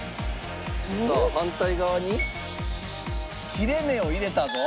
さあ反対側に切れ目を入れたぞ。